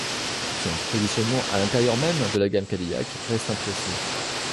Son positionnement à l'intérieur même de la gamme Cadillac reste imprécis.